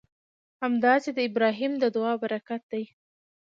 همداسې د ابراهیم د دعا برکت دی.